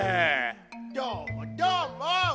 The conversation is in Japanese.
どーもどーも。